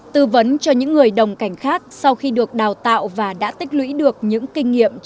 tư vấn cho những người đồng cảnh khác sau khi được đào tạo và đã tích lũy được những kinh nghiệm